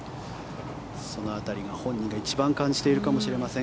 その辺りが本人が一番感じているかもしれません。